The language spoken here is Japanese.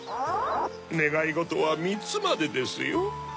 ねがいごとは３つまでですよ？